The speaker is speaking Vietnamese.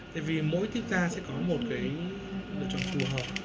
tại vì mỗi tiết da sẽ có một cái lựa chọn phù hợp